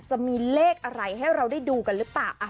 จะมีเลขอะไรให้เราได้ดูกันหรือเปล่า